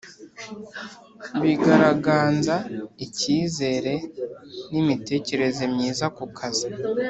bigaraganza icyizere n imitekerereze myiza ku kazi